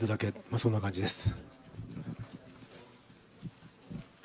そんな感じです。